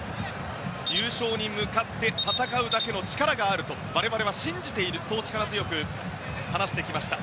優勝に向かって戦うだけの力があると我々は信じていると力強く話していました。